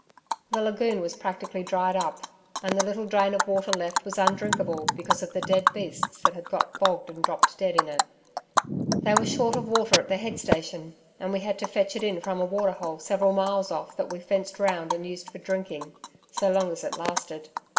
The lagoon was practically dried up, and the little drain of water left was undrinkable because of the dead beasts that had got bogged and dropped dead in it. They were short of water at the head station, and we had to fetch it in from a waterhole several miles off that we fenced round and used for drinking so long as it lasted.